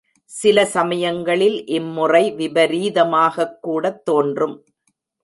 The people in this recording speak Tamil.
சில சமயங்களில் இம் முறை விபரீதமாகக்கூடத் தோன்றும்.